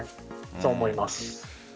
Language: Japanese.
そう思います。